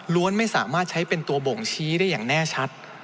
ไม่สามารถใช้เป็นตัวบ่งชี้ได้อย่างแน่ชัด